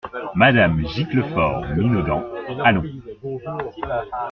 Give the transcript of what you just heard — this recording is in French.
Madame Giclefort, minaudant. — Allons !